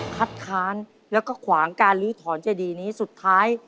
คัดค้านแล้วก็ขวางการลื้อถอนเจดีนี้สุดท้าย